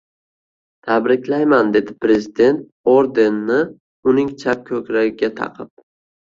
Tabriklayman dedi prezident ordenni uning chap ko‘kragiga taqib.